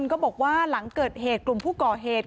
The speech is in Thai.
ก็บอกว่าหลังเกิดเหตุกลุ่มผู้ก่อเหตุ